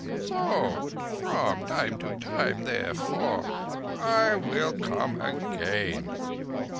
So from time to time, therefore, I will come again.